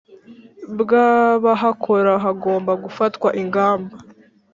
bw abahakora hagomba gufatwa ingamba